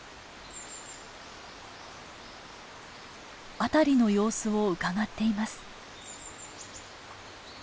辺りの様子をうかがっています。